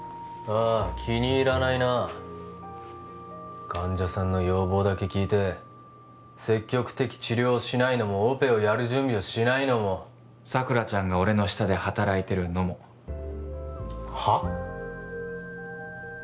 あ気に入らないな患者さんの要望だけ聞いて積極的治療をしないのもオペをやる準備をしないのも佐倉ちゃんが俺の下で働いてるのもはっ！？